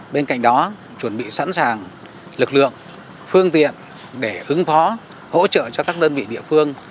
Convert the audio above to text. bên cạnh đó chuẩn bị sẵn sàng lực lượng phương tiện để ứng phó hỗ trợ cho các đơn vị địa phương